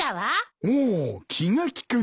おう気が利くな。